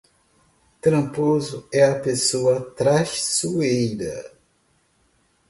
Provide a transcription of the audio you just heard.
Tramposo é a pessoa traiçoeira